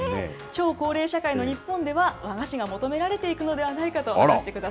超高齢社会の日本では、和菓子が求められていくのではないか